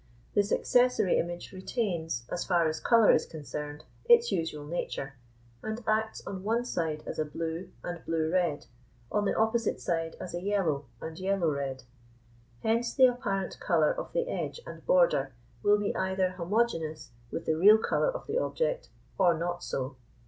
This accessory image retains, as far as colour is concerned, its usual nature, and acts on one side as a blue and blue red, on the opposite side as a yellow and yellow red. Hence the apparent colour of the edge and border will be either homogeneous with the real colour of the object, or not so.